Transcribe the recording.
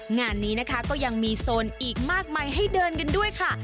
งานนี้นะคะก็ยังมีโซนอีกมากมายให้เดินกันด้วยค่ะ